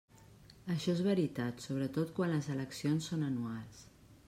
Això és veritat sobretot quan les eleccions són anuals.